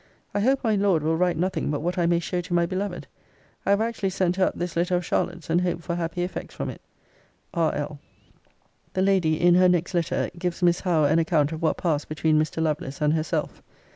I hope my Lord will write nothing but what I may show to my beloved. I have actually sent her up this letter of Charlotte's, and hope for happy effects from it. R.L. [The Lady, in her next letter, gives Miss Howe an account of what passed between Mr. Lovelace and herself.